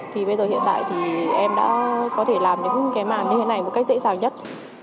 thì bây giờ hiện tại thì em đã có thể làm những cái màn như thế này một cách dễ dàng nhất